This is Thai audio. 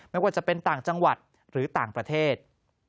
ไม่ว่าจะเป็นต่างจังหวัดหรือต่างประเทศ